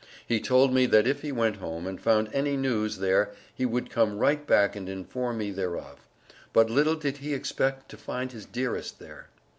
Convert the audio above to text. He told me that if he went home and found any news there he would come right back and inform me thereof. But little did he expect to find his dearest there.